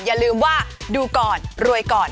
อย่าลืมว่าดูก่อนรวยก่อน